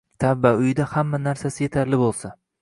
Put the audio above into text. Tavba, uyida hamma narsasi yetarli boʻlsa.